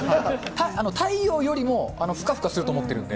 太陽よりもふかふかすると思ってるんで。